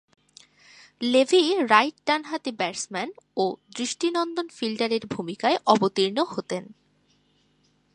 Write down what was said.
Levy Wright ডানহাতি batsman ও দৃষ্টিনন্দন ফিল্ডারের ভূমিকায় অবতীর্ণ হতেন।